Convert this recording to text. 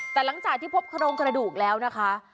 แต่หลังจากที่พบโครงกระดูกแล้วนะคะ